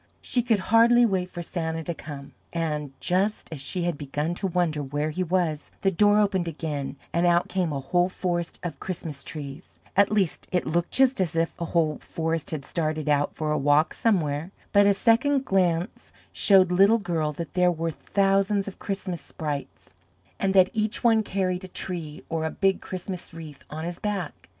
She could hardly wait for Santa to come, and just as she had begun to wonder where he was, the door opened again and out came a whole forest of Christmas trees, at least it looked just as if a whole forest had started out for a walk somewhere, but a second glance showed Little Girl that there were thousands of Christmas sprites, and that each one carried a tree or a big Christmas wreath on his back.